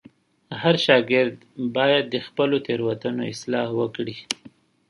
هر شاګرد باید د خپلو تېروتنو اصلاح وکړي.